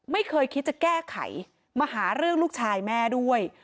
ไม่เคยคิดจะแก้ไขมาหาเรื่องลูกชายแม่ด้วย